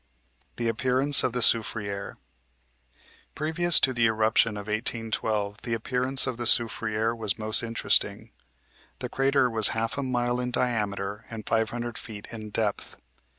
THE APPEARANCE OF THE SOUFRIERE Previous to the eruption of 1812 the appearance of the Soufriere was most interesting. The crater was half a mile in diameter and five hundred feet in depth.